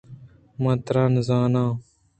من ترا زان آں